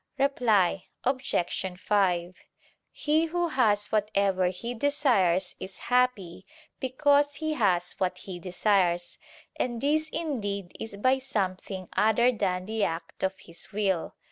Reply Obj. 5: He who has whatever he desires, is happy, because he has what he desires: and this indeed is by something other than the act of his will.